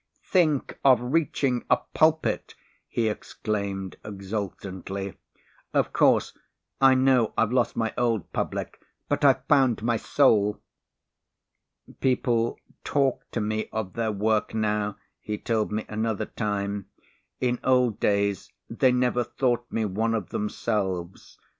"Think of reaching a pulpit," he exclaimed exultantly. "Of course, I know I've lost my old public but I've found my soul." "People talk to me of their work now," he told me another time; "in old days, they never thought me one of themselves.